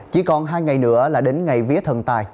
chỉ còn hai ngày nữa là đến ngày vía thần tài